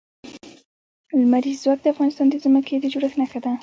لمریز ځواک د افغانستان د ځمکې د جوړښت نښه ده.